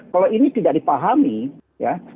kalau ini tidak dipahami ya